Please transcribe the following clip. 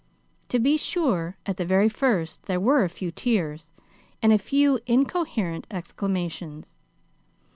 To be sure, at the very first, there were a few tears, and a few incoherent exclamations.